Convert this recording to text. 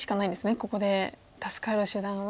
ここで助かる手段は。